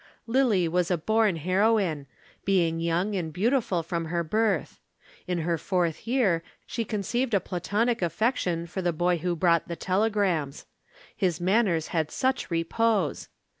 Lillie was a born heroine, being young and beautiful from her birth. In her fourth year she conceived a Platonic affection for the boy who brought the telegrams. His manners had such repose.